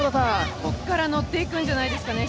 ここからノッていくんじゃないですかね。